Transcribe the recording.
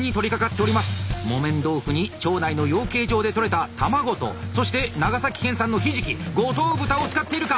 木綿豆腐に町内の養鶏場で取れた卵とそして長崎県産のひじき五島豚を使っているか！